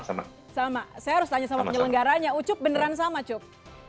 sama saya harus tanya sama penyelenggaranya ucup beneran sama cup